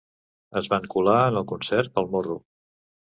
Es van colar en el concert pel morro.